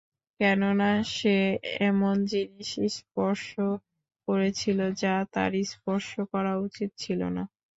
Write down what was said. কেননা, সে এমন জিনিস স্পর্শ করেছিল যা তার স্পর্শ করা উচিত ছিল না।